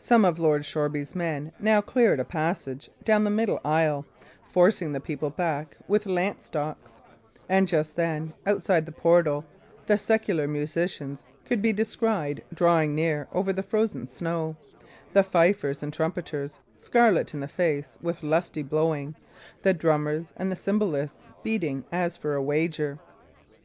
Some of Lord Shoreby's men now cleared a passage down the middle aisle, forcing the people back with lance stocks; and just then, outside the portal, the secular musicians could be descried drawing near over the frozen snow, the fifers and trumpeters scarlet in the face with lusty blowing, the drummers and the cymbalists beating as for a wager.